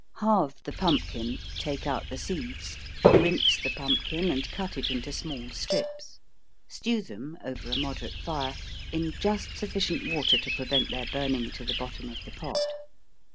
_ Halve the pumpkin, take out the seeds rinse the pumpkin, and cut it into small strips stew them, over a moderate fire, in just sufficient water to prevent their burning, to the bottom of the pot.